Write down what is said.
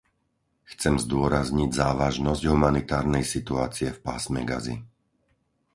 Chcem zdôrazniť závažnosť humanitárnej situácie v pásme Gazy.